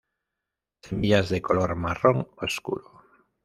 Semillas de color marrón oscuro.